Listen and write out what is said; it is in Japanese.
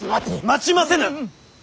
待ちませぬ！